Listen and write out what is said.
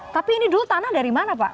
tapi ini dulu tanah dari mana pak